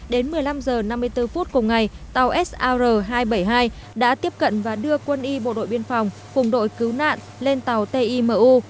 đến một mươi năm h năm mươi bốn phút cùng ngày tàu sir hai trăm bảy mươi hai đã tiếp cận và đưa quân y bộ đội biên phòng cùng đội cứu nạn lên tàu timu